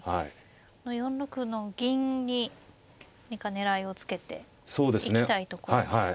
４六の銀に何か狙いをつけていきたいところですか。